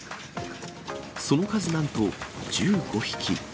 その数なんと１５匹。